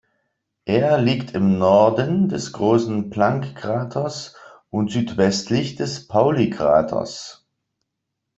Er liegt im Norden des großen Planck-Kraters und südwestlich des Pauli-Kraters.